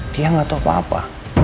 dia gak tau apa apa